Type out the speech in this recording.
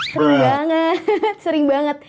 seru banget sering banget